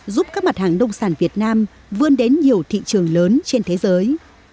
giúp các mặt hàng nông sản việt nam vươn đến nhiều thị trường lớn trên thế giới